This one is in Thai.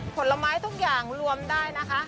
ผลไม้ทุกอย่างรวมได้นะคะ